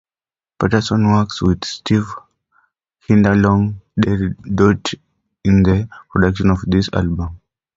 Peterson worked with Steve Hindalong, Derri Daugherty, in the production of this album.